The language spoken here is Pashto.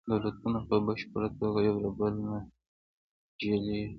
دولتونه په بشپړه توګه یو له بل نه جلیږي